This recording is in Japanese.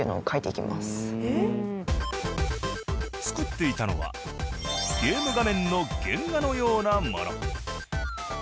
作っていたのはゲーム画面の原画のようなもの。